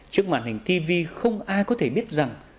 trước màn hình tv không ai có thể biết rằng